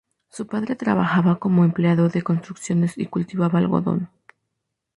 Su padre trabajaba como empleado de construcciones y cultivaba algodón.